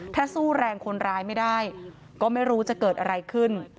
ถ้าสู้แรงคนร้ายไม่ได้ก็ไม่รู้จะเกิดอะไรขึ้น